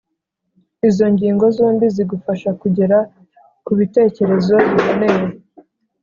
Izo ngingo zombi zigufasha kugera ku bitekerezo biboneye.